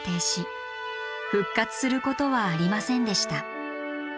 復活することはありませんでした。